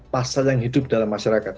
pasal yang hidup dalam masyarakat